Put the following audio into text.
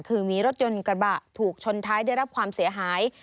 คือมีรถยนต์กระบะถูกชนท้ายได้รับความเสียหาย